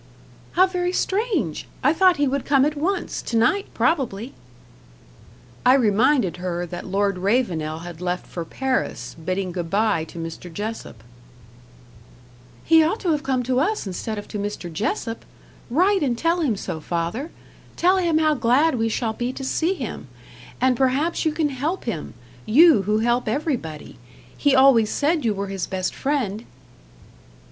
"How very strange! I thought he would come at once to night, probably." I reminded her that Lord Ravenel had left for Paris, bidding goodbye to Mr. Jessop. "He ought to have come to us instead of to Mr. Jessop. Write and tell him so, father. Tell him how glad we shall be to see him. And perhaps you can help him: you who help everybody. He always said you were his best friend."